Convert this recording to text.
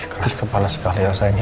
keras kepala sekali elsa ini